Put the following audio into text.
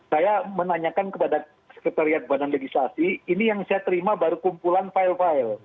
saya menanyakan kepada sekretariat badan legislasi ini yang saya terima baru kumpulan file file